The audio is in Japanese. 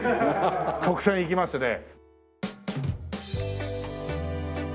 特選いきますね。